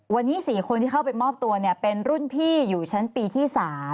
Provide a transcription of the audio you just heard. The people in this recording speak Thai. วันนี้๔คนที่เข้าไปมอบตัวเป็นรุ่นพี่อยู่ชั้นปีที่๓